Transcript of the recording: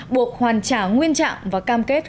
buộc hoàn trả nguyên trạng và cam kết